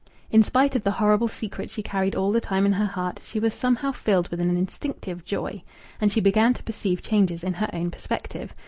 In spite of the horrible secret she carried all the time in her heart, she was somehow filled with an instinctive joy. And she began to perceive changes in her own perspective.